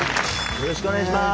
よろしくお願いします。